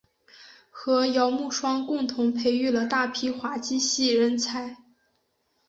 和姚慕双共同培育了大批滑稽戏人才。